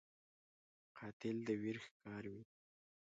قاتل د ویر ښکاروي